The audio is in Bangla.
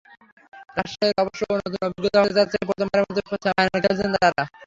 রাজশাহীর অবশ্য নতুন অভিজ্ঞতা হতে যাচ্ছে, প্রথমবারের মতো ফাইনালে খেলছে তারা।